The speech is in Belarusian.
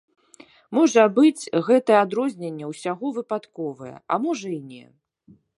Можа быць, гэтае адрозненне ўсяго выпадковае, а можа і не.